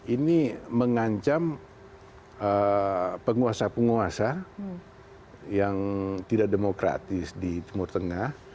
ini mengancam penguasa penguasa yang tidak demokratis di timur tengah